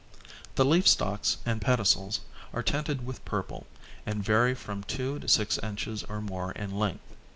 The leaf stalks and pedicels are tinted with purple and vary from 2 to 6 inches or more in length.